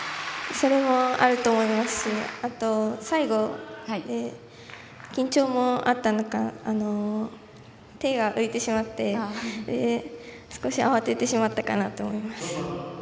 それもあると思いますし最後、緊張もあって手が浮いてしまって少し慌ててしまったかなと思います。